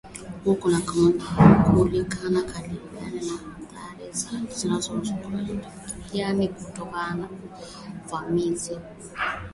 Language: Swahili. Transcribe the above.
huku wakikabiliana na atahri zinazoongezeka duniani kutokana na uvamizi huo